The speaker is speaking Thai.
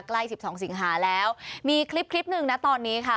ใกล้๑๒สิงหาแล้วมีคลิปหนึ่งนะตอนนี้ค่ะ